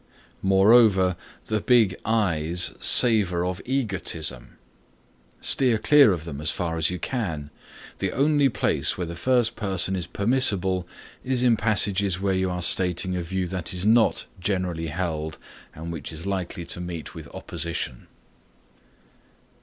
Moreover, the big I's savor of egotism! Steer clear of them as far as you can. The only place where the first person is permissible is in passages where you are stating a view that is not generally held and which is likely to meet with opposition.